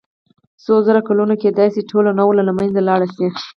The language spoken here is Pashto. څو زره کلونه کېدای شي ټوله نوعه له منځه لاړه شي.